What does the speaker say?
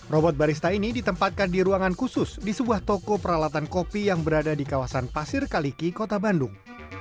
robot barista ini ditempatkan di ruangan khusus di sebuah toko peralatan kopi yang berada di kawasan pasir kaliki kota bandung